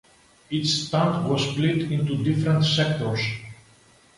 Each stand was split into different sectors.